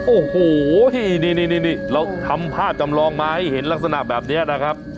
โอ้โหนี่เราทำภาพจำลองมาให้เห็นลักษณะแบบนี้นะครับ